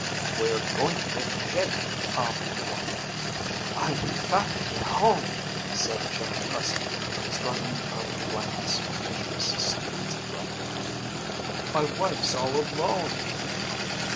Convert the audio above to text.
"We're going to get hit," Tom warned them. "I've got to get home," said Jim Preston, struggling out of the blankets which Mrs. Stevens had wrapped around him. "My wife's all alone."